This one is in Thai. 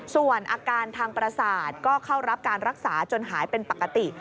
ส่วนอาการทางประสาทก็เข้ารับการรักษาจนหายเป็นปกติ